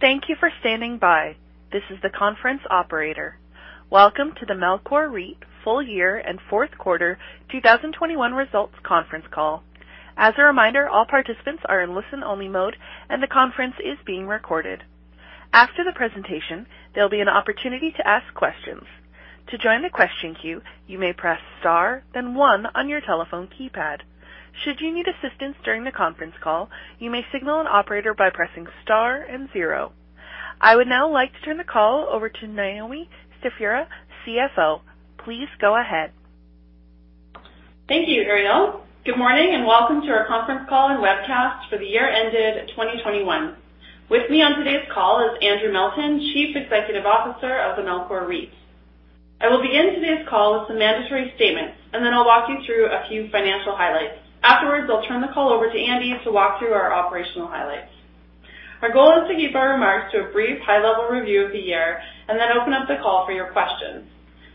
Thank you for standing by. This is the conference operator. Welcome to the Melcor REIT full year and fourth quarter 2021 results conference call. As a reminder, all participants are in listen-only mode, and the conference is being recorded. After the presentation, there'll be an opportunity to ask questions. To join the question queue, you may press star, then one on your telephone keypad. Should you need assistance during the conference call, you may signal an operator by pressing star and zero. I would now like to turn the call over to Naomi Stefura, CFO. Please go ahead. Thank you, Ariel. Good morning and welcome to our conference call and webcast for the year ended 2021. With me on today's call is Andrew Melton, Chief Executive Officer of the Melcor REIT. I will begin today's call with some mandatory statements, and then I'll walk you through a few financial highlights. Afterwards, I'll turn the call over to Andy to walk through our operational highlights. Our goal is to keep our remarks to a brief high-level review of the year and then open up the call for your questions.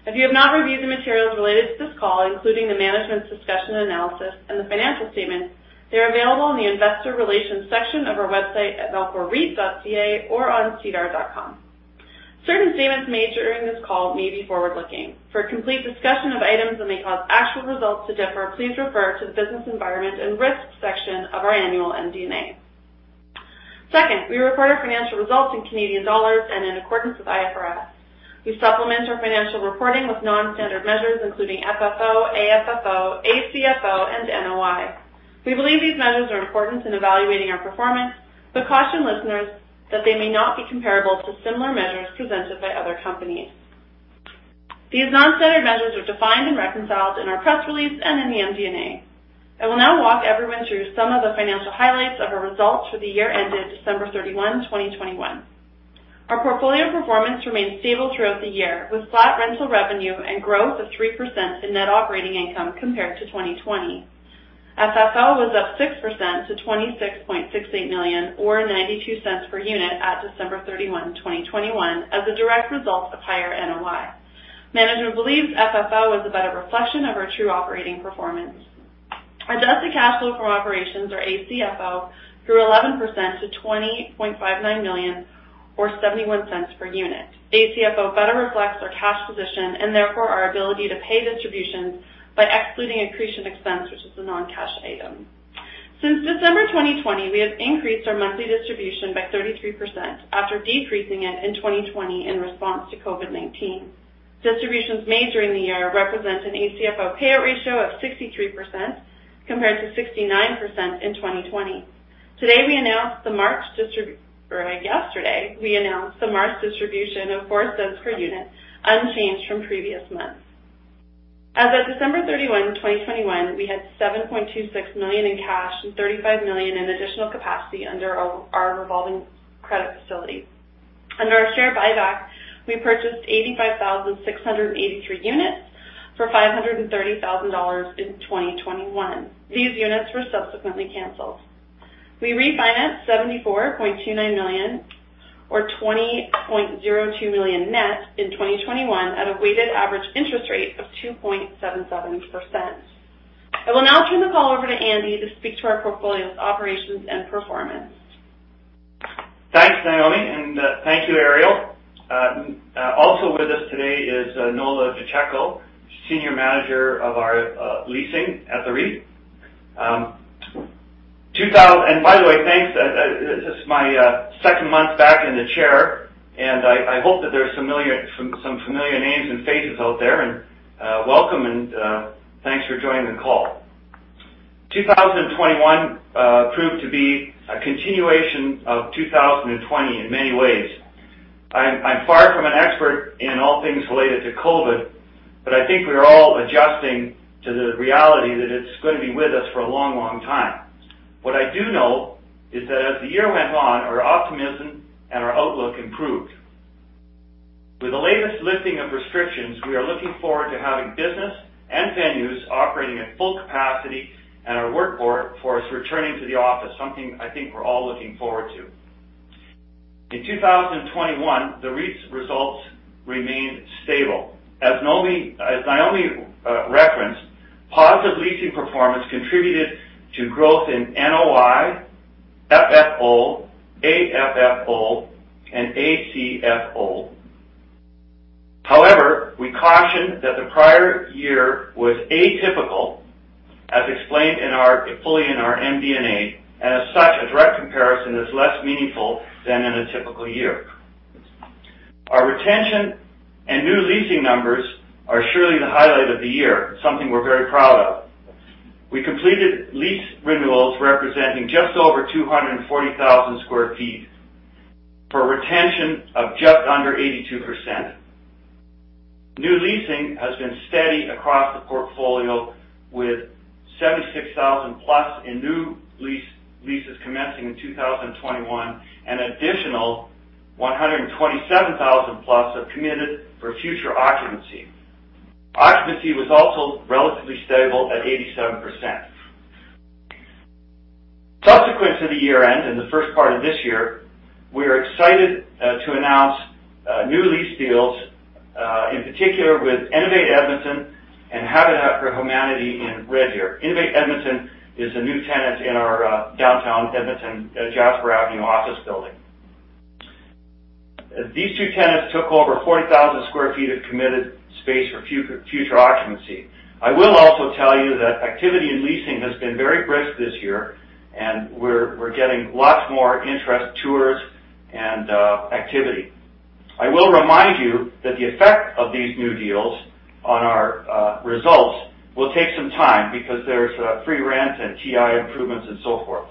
If you have not reviewed the materials related to this call, including the management's discussion and analysis and the financial statements, they're available on the investor relations section of our website at melcorreit.ca or on sedar.com. Certain statements made during this call may be forward-looking. For a complete discussion of items that may cause actual results to differ, please refer to the Business Environment and Risk section of our annual MD&A. Second, we report our financial results in Canadian dollars and in accordance with IFRS. We supplement our financial reporting with non-standard measures, including FFO, AFFO, ACFO, and NOI. We believe these measures are important in evaluating our performance but caution listeners that they may not be comparable to similar measures presented by other companies. These non-standard measures are defined and reconciled in our press release and in the MD&A. I will now walk everyone through some of the financial highlights of our results for the year ended December 31, 2021. Our portfolio performance remained stable throughout the year, with flat rental revenue and growth of 3% in net operating income compared to 2020. FFO was up 6% to 26.68 million, or 0.92 per unit at December 31, 2021, as a direct result of higher NOI. Management believes FFO is a better reflection of our true operating performance. Adjusted cash flow from operations, or ACFO, grew 11% to 20.59 million, or 0.71 per unit. ACFO better reflects our cash position and therefore our ability to pay distributions by excluding accretion expense, which is a non-cash item. Since December 2020, we have increased our monthly distribution by 33% after decreasing it in 2020 in response to COVID-19. Distributions made during the year represent an ACFO payout ratio of 63% compared to 69% in 2020. Yesterday we announced the March distribution of 0.04 per unit, unchanged from previous months. As of December 31, 2021, we had 7.26 million in cash and 35 million in additional capacity under our revolving credit facility. Under our share buyback, we purchased 85,683 units for 530,000 dollars in 2021. These units were subsequently canceled. We refinanced 74.29 million or 20.02 million net in 2021 at a weighted average interest rate of 2.77%. I will now turn the call over to Andy to speak to our portfolio's operations and performance. Thanks, Naomi, and thank you, Ariel. Also with us today is Nola Duchecko, Senior Manager of our leasing at the REIT. By the way, thanks. This is my second month back in the chair, and I hope that there's some familiar names and faces out there. Welcome and thanks for joining the call. 2021 proved to be a continuation of 2020 in many ways. I'm far from an expert in all things related to COVID, but I think we are all adjusting to the reality that it's gonna be with us for a long, long time. What I do know is that as the year went on, our optimism and our outlook improved. With the latest lifting of restrictions, we are looking forward to having business and venues operating at full capacity and our workforce returning to the office, something I think we're all looking forward to. In 2021, the REIT's results remained stable. As Naomi referenced, positive leasing performance contributed to growth in NOI, FFO, AFFO, and ACFO. However, we caution that the prior year was atypical, as explained fully in our MD&A, and as such, a direct comparison is less meaningful than in a typical year. Our retention and new leasing numbers are surely the highlight of the year, something we're very proud of. We completed lease renewals representing just over 240,000 sq ft for retention of just under 82%. New leasing has been steady across the portfolio with 76,000+ in new leases commencing in 2021, and additional 127,000+ are committed for future occupancy. Occupancy was also relatively stable at 87%. Subsequent to the year-end, in the first part of this year, we are excited to announce new lease deals. In particular with Innovate Edmonton and Habitat for Humanity in Red Deer. Innovate Edmonton is a new tenant in our downtown Edmonton Jasper Avenue office building. These two tenants took over 40,000 sq ft of committed space for future occupancy. I will also tell you that activity in leasing has been very brisk this year and we're getting lots more interest tours and activity. I will remind you that the effect of these new deals on our results will take some time because there's free rent and TI improvements and so forth.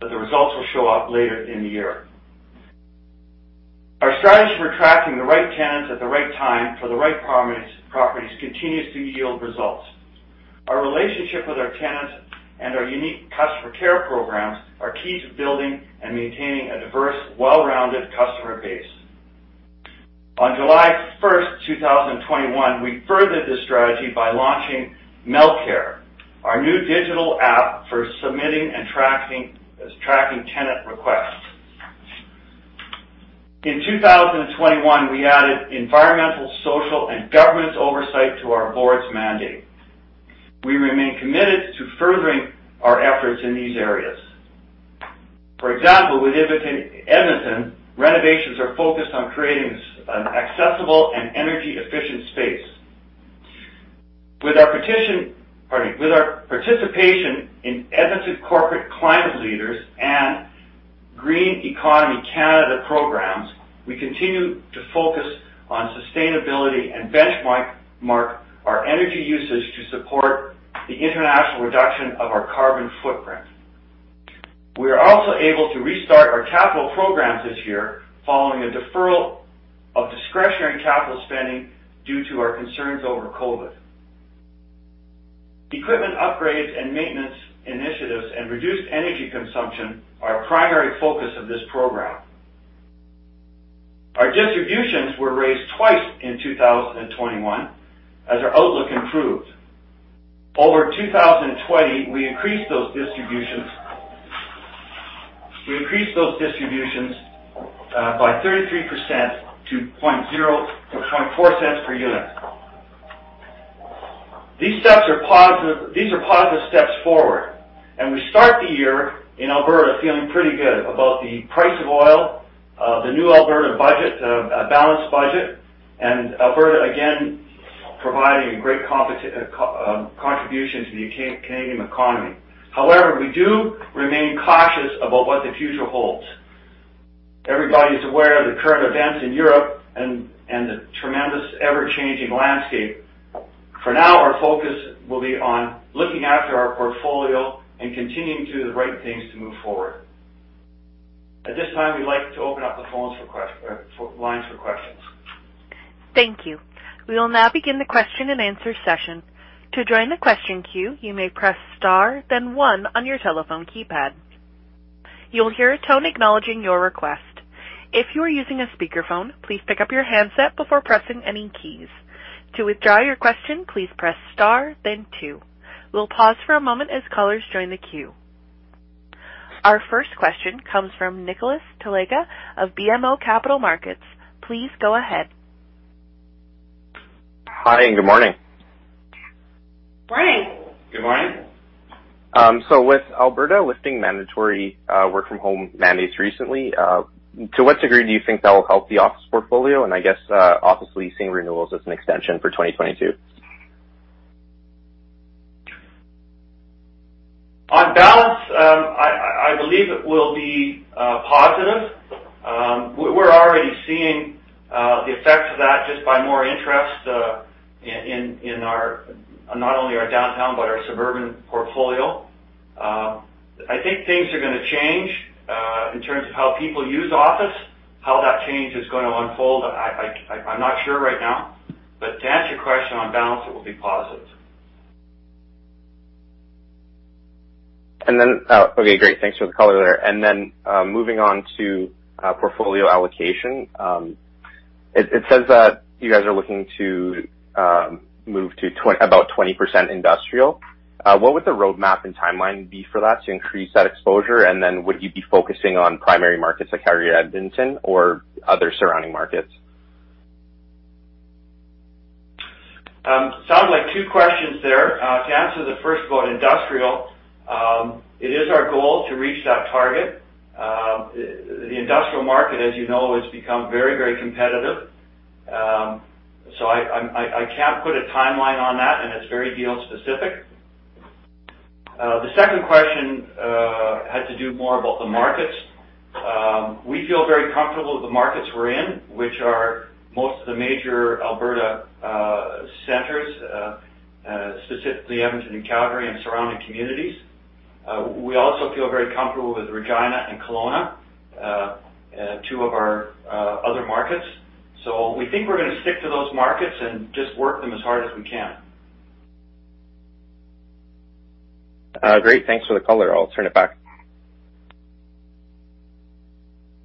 The results will show up later in the year. Our strategy for attracting the right tenants at the right time for the right properties continues to yield results. Our relationship with our tenants and our unique customer care programs are key to building and maintaining a diverse, well-rounded customer base. On July first, two thousand and twenty-one, we furthered this strategy by launching MelCARE, our new digital app for submitting and tracking tenant requests. In two thousand and twenty-one, we added environmental, social, and governance oversight to our board's mandate. We remain committed to furthering our efforts in these areas. For example, with Edmonton, renovations are focused on creating an accessible and energy efficient space. With our participation in Edmonton Corporate Climate Leaders and Green Economy Canada programs, we continue to focus on sustainability and benchmark our energy usage to support the intentional reduction of our carbon footprint. We are also able to restart our capital programs this year following a deferral of discretionary capital spending due to our concerns over COVID. Equipment upgrades and maintenance initiatives and reduced energy consumption are a primary focus of this program. Our distributions were raised twice in 2021 as our outlook improved. Over 2020, we increased those distributions by 33% to 0.04 per unit. These are positive steps forward, and we start the year in Alberta feeling pretty good about the price of oil, the new Alberta budget, a balanced budget, and Alberta again providing a great contribution to the Canadian economy. However, we do remain cautious about what the future holds. Everybody is aware of the current events in Europe and the tremendous ever-changing landscape. For now, our focus will be on looking after our portfolio and continuing to do the right things to move forward. At this time, we'd like to open up the lines for questions. Thank you. We will now begin the question-and-answer session. To join the question queue, you may press star then one on your telephone keypad. You'll hear a tone acknowledging your request. If you are using a speakerphone, please pick up your handset before pressing any keys. To withdraw your question, please press star then two. We'll pause for a moment as callers join the queue. Our first question comes from Nicholas Telega of BMO Capital Markets. Please go ahead. Hi, and good morning. Morning. Good morning. With Alberta lifting mandatory work-from-home mandates recently, to what degree do you think that will help the office portfolio and I guess, office leasing renewals as an extension for 2022? On balance, I believe it will be positive. We're already seeing the effects of that just by more interest in not only our downtown but our suburban portfolio. I think things are gonna change in terms of how people use office. How that change is gonna unfold, I'm not sure right now. To answer your question, on balance, it will be positive. Okay, great. Thanks for the color there. Moving on to portfolio allocation. It says that you guys are looking to move to about 20% industrial. What would the roadmap and timeline be for that to increase that exposure? Would you be focusing on primary markets like Calgary or Edmonton or other surrounding markets? Sounds like two questions there. To answer the first about industrial, it is our goal to reach that target. The industrial market, as you know, has become very, very competitive. I can't put a timeline on that, and it's very deal specific. The second question had to do more about the markets. We feel very comfortable with the markets we're in, which are most of the major Alberta centers, specifically Edmonton and Calgary and surrounding communities. We also feel very comfortable with Regina and Kelowna, two of our other markets. We think we're gonna stick to those markets and just work them as hard as we can. Great. Thanks for the color. I'll turn it back.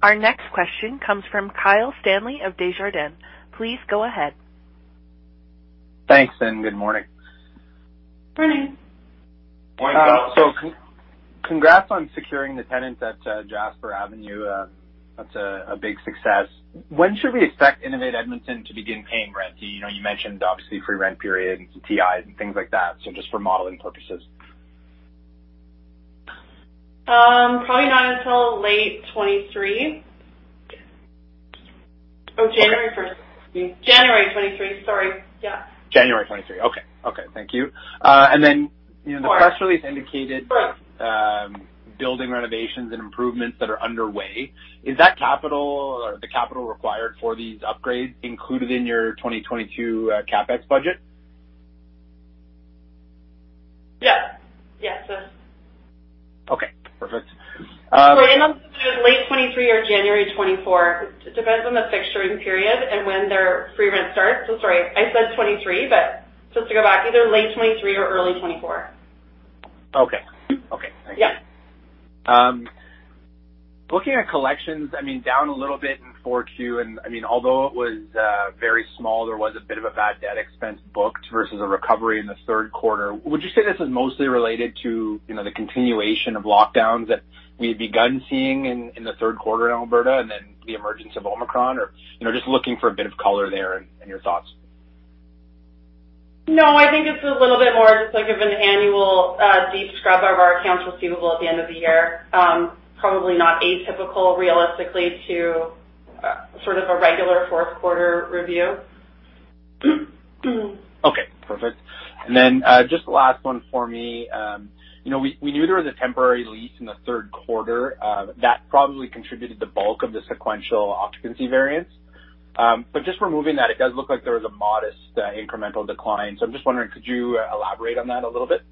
Our next question comes from Kyle Stanley of Desjardins. Please go ahead. Thanks, and good morning. Morning. Congrats on securing the tenant at Jasper Avenue. That's a big success. When should we expect Innovate Edmonton to begin paying rent? You know, you mentioned obviously free rent period and some TIs and things like that. Just for modeling purposes. Probably not until late 2023. January 2023. Sorry. Yeah. January 2023. Okay. Thank you. You know, the press release indicated building renovations and improvements that are underway. Is that capital or the capital required for these upgrades included in your 2022 CapEx budget? Yes. Yes, it is. Okay, perfect. Sorry, I meant late 2023 or January 2024. It depends on the fixturing period and when their free rent starts. Sorry, I said 2023, but just to go back, either late 2023 or early 2024. Okay. Thank you. Yeah. Looking at collections, I mean, down a little bit in Q4, and I mean, although it was very small, there was a bit of a bad debt expense booked versus a recovery in the third quarter. Would you say this is mostly related to, you know, the continuation of lockdowns that we had begun seeing in the third quarter in Alberta and then the emergence of Omicron? Or, you know, just looking for a bit of color there and your thoughts. No, I think it's a little bit more just like of an annual, deep scrub of our accounts receivable at the end of the year. Probably not atypical realistically to, sort of a regular fourth quarter review. Okay, perfect. Just the last one for me. You know, we knew there was a temporary lease in the third quarter that probably contributed the bulk of the sequential occupancy variance. Just removing that, it does look like there was a modest incremental decline. I'm just wondering, could you elaborate on that a little bit?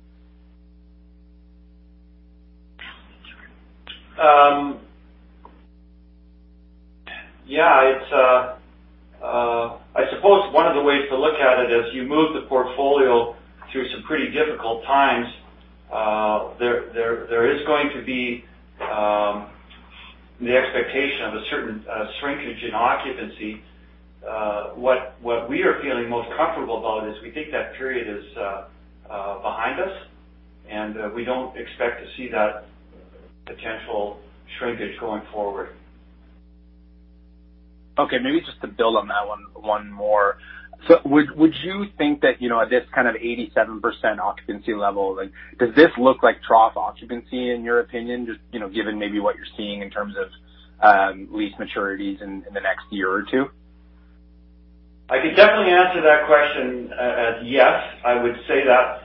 Yeah, it's, I suppose one of the ways to look at it is you move the portfolio through some pretty difficult times, there is going to be the expectation of a certain shrinkage in occupancy. What we are feeling most comfortable about is we think that period is behind us, and we don't expect to see that potential shrinkage going forward. Okay. Maybe just to build on that one more. Would you think that, you know, at this kind of 87% occupancy level, like, does this look like trough occupancy in your opinion? Just, you know, given maybe what you're seeing in terms of lease maturities in the next year or two. I could definitely answer that question as yes. I would say that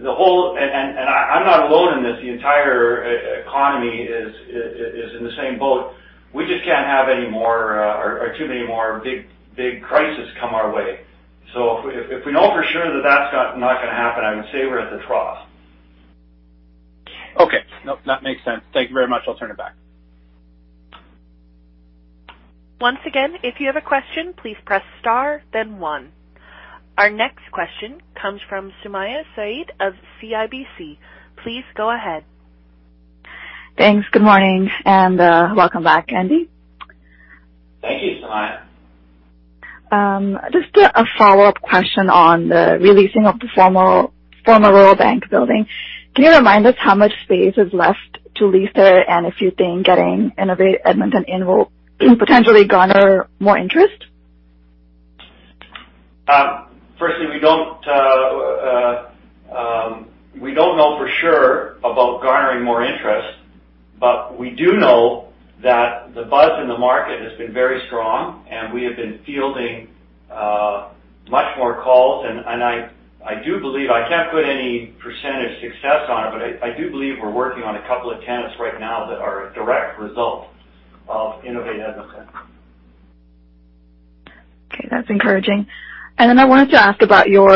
I'm not alone in this, the entire economy is in the same boat. We just can't have any more or too many more big crises come our way. If we know for sure that that's not gonna happen, I would say we're at the trough. Okay. Nope, that makes sense. Thank you very much. I'll turn it back. Once again, if you have a question, please press star then one. Our next question comes from Sumayya Syed of CIBC. Please go ahead. Thanks. Good morning and welcome back, Andy. Thank you, Sumayya. Just a follow-up question on the releasing of the former Royal Bank building. Can you remind us how much space is left to lease there? If you think getting Innovate Edmonton in will potentially garner more interest? Firstly, we don't know for sure about garnering more interest, but we do know that the buzz in the market has been very strong and we have been fielding much more calls. I do believe I can't put any percentage success on it, but I do believe we're working on a couple of tenants right now that are a direct result of Innovate Edmonton. Okay, that's encouraging. I wanted to ask about your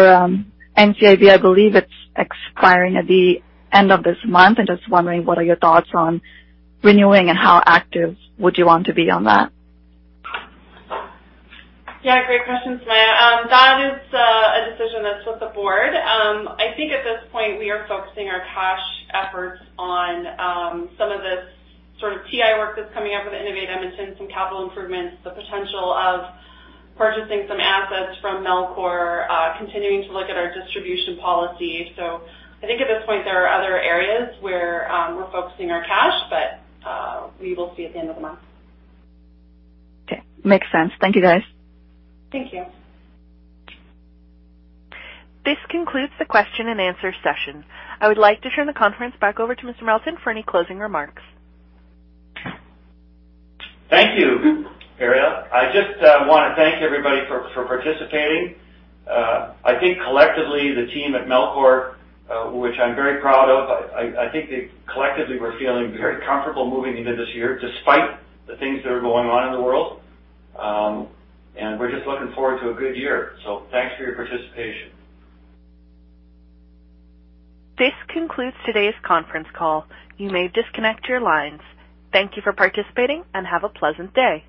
NCIB. I believe it's expiring at the end of this month and just wondering what are your thoughts on renewing and how active would you want to be on that? Yeah, great question, Sumayya. That is a decision that's with the board. I think at this point, we are focusing our cash efforts on some of the sort of TI work that's coming up with Innovate Edmonton, some capital improvements, the potential of purchasing some assets from Melcor, continuing to look at our distribution policy. I think at this point, there are other areas where we're focusing our cash, but we will see at the end of the month. Okay, makes sense. Thank you, guys. Thank you. This concludes the question and answer session. I would like to turn the conference back over to Mr. Melton for any closing remarks. Thank you, Ariel. I just wanna thank everybody for participating. I think collectively the team at Melcor, which I'm very proud of, we're feeling very comfortable moving into this year despite the things that are going on in the world. We're just looking forward to a good year. Thanks for your participation. This concludes today's conference call. You may disconnect your lines. Thank you for participating and have a pleasant day.